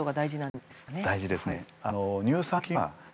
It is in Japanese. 大事ですね。